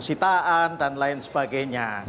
sitaan dan lain sebagainya